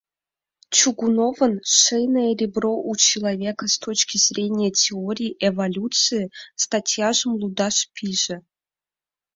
Чугуновын «Шейное ребро у человека с точки зрения теории эволюции» статьяжым лудаш пиже.